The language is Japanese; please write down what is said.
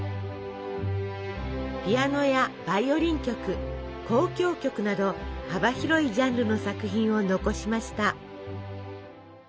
ピアノやバイオリン曲交響曲など幅広いジャンルの作品を残しました。